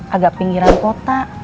agak pinggiran kota